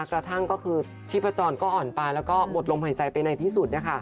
กระทั่งก็คือชีพจรก็อ่อนไปแล้วก็หมดลมหายใจไปในที่สุด